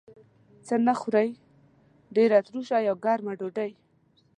څه نه خورئ؟ ډیره تروشه یا ګرمه ډوډۍ